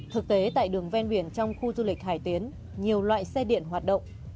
thực tế tại đường ven biển trong khu du lịch hải tiến nhiều loại xe điện hoạt động